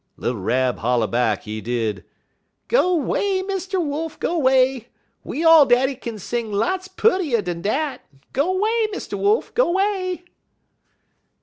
_' "Little Rab holler back, he did: "'Go 'way, Mr. Wolf! go 'way! We all daddy kin sing lots puttier dan dat. Go 'way, Mr. Wolf! go 'way!'